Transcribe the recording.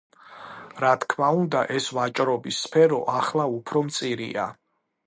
რა თქმა უნდა ეს ვაჭრობის სფერო ახლა უფრო მწირია.